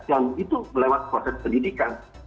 dan itu melewat proses pendidikan